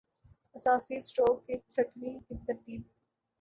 اساسی-سٹروک کی چھٹنی کی ترتیب